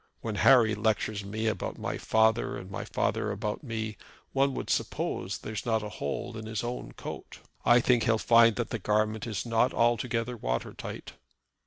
When Harry lectures me about my father and my father about me, one would suppose that there's not a hole in his own coat. I think he'll find that the garment is not altogether water tight."